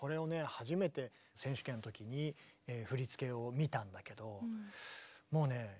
初めて選手権のときに振り付けを見たんだけどもうね